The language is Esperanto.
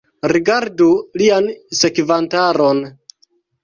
Rigardu lian sekvantaron!